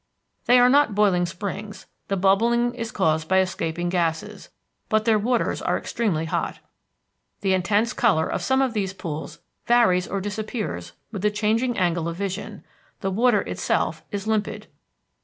They are not boiling springs; the bubbling is caused by escaping gases; but their waters are extremely hot. The intense color of some of these pools varies or disappears with the changing angle of vision; the water itself is limpid.